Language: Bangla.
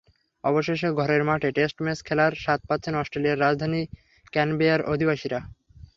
অবশেষে ঘরের মাঠে টেস্ট ম্যাচ দেখার স্বাদ পাচ্ছেন অস্ট্রেলিয়ার রাজধানী ক্যানবেরার অধিবাসীরা।